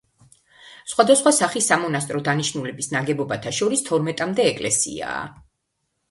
სხვადასხვა სახის სამონასტრო დანიშნულების ნაგებობათა შორის თორმეტამდე ეკლესიაა.